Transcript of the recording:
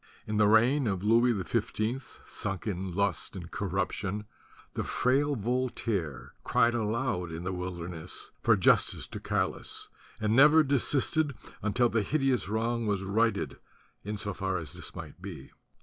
In the reign of Louis XV, sunk in lust and corruption, the frail Voltaire cried aloud in the wilderness for justice to Galas and never desisted until the hideous wrong was righted in so far as this might be.